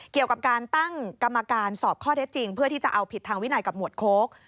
เกี่ยวกับการตั้งกรรมการสอบข้อเท็จจริงเพื่อที่จะเอาผิดทางวินัยกับหมวดโค้ก